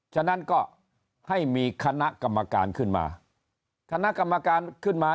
ฉะนั้นก็ให้มีคณะกรรมการขึ้นมาคณะกรรมการขึ้นมา